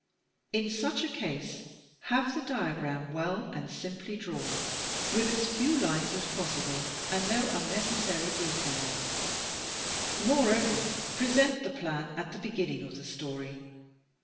In such a case, have the diagram well and simply drawn, with as few lines as possible, and no imnecessary details. Moreover, present the plan at the beginning of the story.